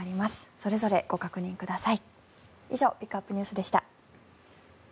それぞれご確認ください。